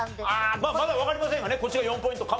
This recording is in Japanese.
まあまだわかりませんがねこっちが４ポイントかも。